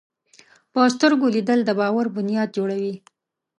په سترګو لیدل د باور بنیاد جوړوي